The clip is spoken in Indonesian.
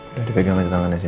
udah dipegang aja tangannya sini